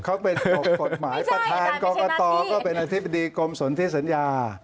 เขาเป็นกฎหมายประธานกรกตก็เป็นอธิบดีกรมสนที่สัญญา